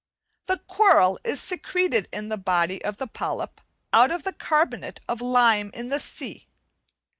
The coral is secreted in the body of the polyp out of the carbonate of lime in the sea.